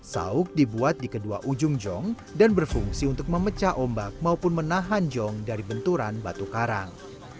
sauk dibuat di kedua ujung jong dan berfungsi untuk memecah ombak maupun menahan jong dari benturan batu karang